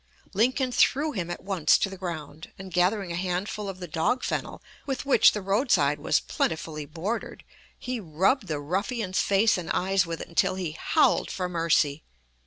Lincoln threw him at once to the ground, and gathering a handful of the dog fennel with which the roadside was plentifully bordered, he rubbed the ruffian's face and eyes with it until he howled for mercy.